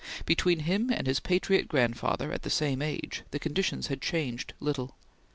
Between him and his patriot grandfather at the same age, the conditions had changed little.